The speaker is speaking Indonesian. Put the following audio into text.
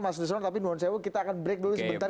mas lusulon tapi mohon saya kita akan break dulu sebentar